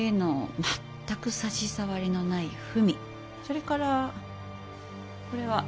それからこれは経本。